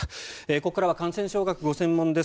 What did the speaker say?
ここからは感染症学がご専門です。